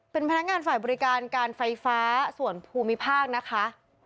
เป็นพนักงานฝ่ายบริการการไฟฟ้าส่วนภูมิภาคนะคะ